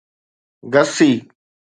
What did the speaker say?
گسي